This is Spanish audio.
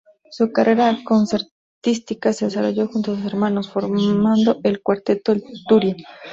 Su carrera concertística se desarrolló junto a sus hermanos, formando el cuarteto "El Turia".